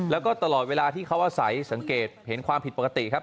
แล้วก็ตลอดเวลาที่เขาอาศัยสังเกตเห็นความผิดปกติครับ